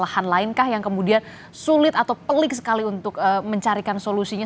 apakah ada permasalahan lain yang kemudian sulit atau pelik sekali untuk mencarikan solusinya